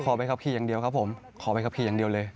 ใบขับขี่อย่างเดียวครับผมขอใบขับขี่อย่างเดียวเลย